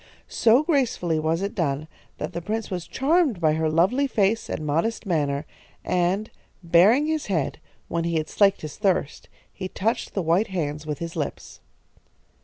So gracefully was it done that the prince was charmed by her lovely face and modest manner, and, baring his head, when he had slaked his thirst he touched the white hands with his lips.